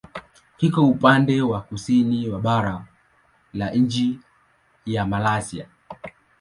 Kiko upande wa kusini wa bara la nchi ya Malaysia.